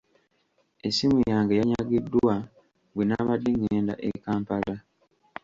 Essimu yange yanyagiddwa bwe nabadde ngenda e Kampala.